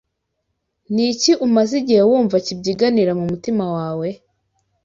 Ni iki umaze igihe wumva kibyiganira mu mutima wawe?